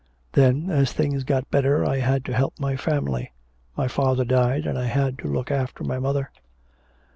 Then, as things got better, I had to help my family. My father died, and I had to look after my mother.'